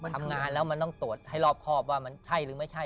ทำงานแล้วมันต้องตรวจให้รอบครอบว่ามันใช่หรือไม่ใช่